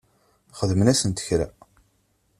Xedment-asent kra?